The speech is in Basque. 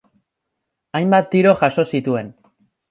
Hainbat tiro jaso zituen.